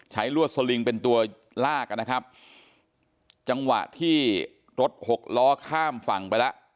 ลวดสลิงเป็นตัวลากอ่ะนะครับจังหวะที่รถหกล้อข้ามฝั่งไปแล้ว